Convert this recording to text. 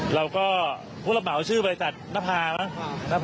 เราก็พูดละเบาชื่อบริษัทนภานะนภานะครับ